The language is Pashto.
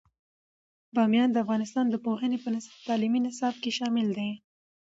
بامیان د افغانستان د پوهنې په تعلیمي نصاب کې شامل دی.